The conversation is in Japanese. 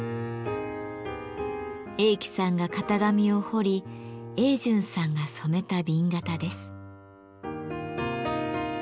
栄喜さんが型紙を彫り栄順さんが染めた紅型です。